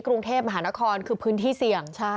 กรุงเทพมหานครคือพื้นที่เสี่ยง